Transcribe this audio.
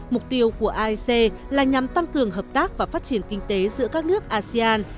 mục tiêu của aec là nhằm tăng cường hợp tác và phát triển kinh tế giữa các nước asean